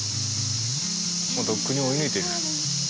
もうとっくに追い抜いてる。